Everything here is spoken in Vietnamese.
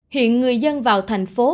hiện người dân vào thành phố